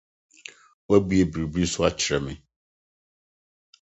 Woabue biribi so akyerɛ me